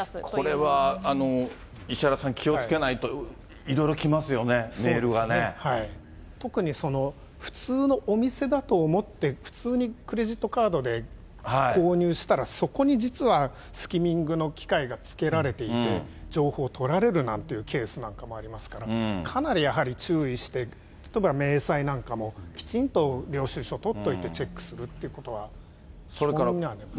これは石原さん、気をつけないと、いろいろ来ますよね、メー特に、普通のお店だと思って、普通にクレジットカードで購入したら、そこに実はスキミングの機械がつけられていて、情報取られるなんていうケースなんかもありますから、かなりやはり注意して、例えば明細なんかもきちんと領収書取っておいて、チェックするっていうことは基本になります。